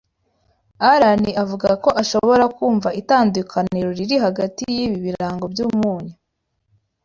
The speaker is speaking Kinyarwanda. Alain avuga ko ashobora kumva itandukaniro riri hagati yibi birango byumunyu.